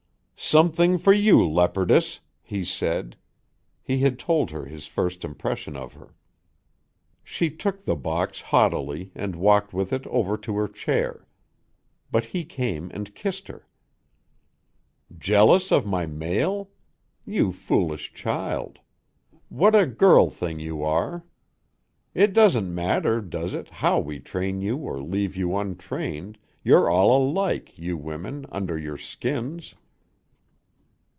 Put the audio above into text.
"Something for you, leopardess," he said he had told her his first impression of her. She took the box haughtily and walked with it over to her chair. But he came and kissed her. "Jealous of my mail? You foolish child. What a girl thing you are! It doesn't matter, does it, how we train you or leave you untrained, you're all alike, you women, under your skins.